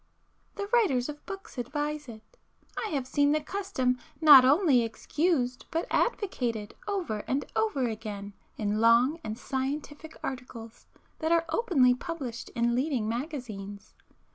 The writers of books advise it,—I have seen the custom not only excused but advocated over and over again in long and scientific articles that are openly published in leading magazines.